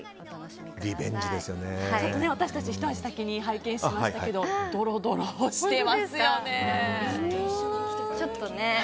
私たちひと足先に拝見しましたけどドロドロしてますよね。